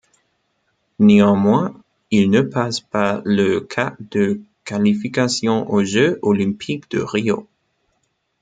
Néanmoins, il ne passe pas le cap des qualifications aux Jeux olympiques de Rio.